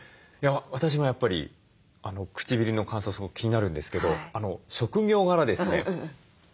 私もやっぱり唇の乾燥すごく気になるんですけど職業柄ですね